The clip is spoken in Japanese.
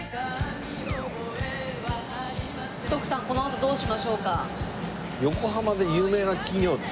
このあとどうしましょうか？